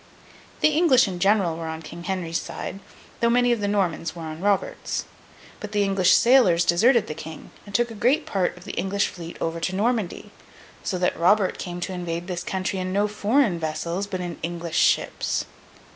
The English in general were on King Henry's side, though many of the Normans were on Robert's. But the English sailors deserted the King, and took a great part of the English fleet over to Normandy; so that Robert came to invade this country in no foreign vessels, but in English ships.